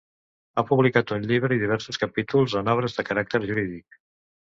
Ha publicat un llibre i diversos capítols en obres de caràcter jurídic.